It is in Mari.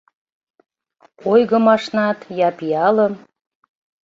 Ойгым ашнат, я пиалым?